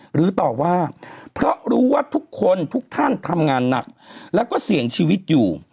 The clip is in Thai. หรือต่อว่าเพราะรู้ว่าทุกคนทุกท่านทำงานหนักแล้วก็เสี่ยงชีวิตอยู่